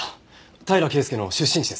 平良圭介の出身地です。